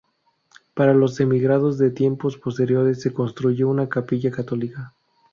Para los emigrados de tiempos posteriores se construyó una capilla católica.